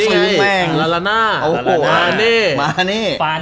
ซื้อแม่ง